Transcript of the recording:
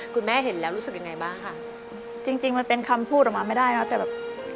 คุณแม่เห็นแล้วรู้สึกยังไงบ้างค่ะจริงจริงมันเป็นคำพูดออกมาไม่ได้นะแต่แบบ